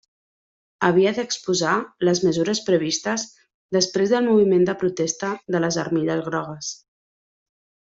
Havia d'exposar les mesures previstes després del moviment de protesta de les armilles grogues.